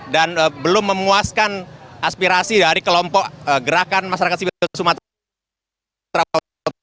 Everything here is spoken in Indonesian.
dan belum memuaskan aspirasi dari kelompok gerakan masyarakat sibir sumatera utara